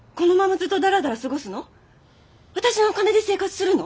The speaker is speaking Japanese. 私のお金で生活するの？